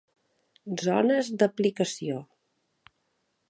Zones d'aplicació.